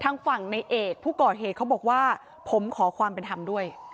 ทางฝั่งในเอกผู้ก่อเหตุเขาบอกว่าผมขอความเป็นธรรมด้วย